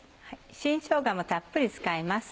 新しょうがもたっぷり使います。